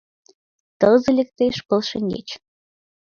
Тылзе лектеш пыл шеҥгеч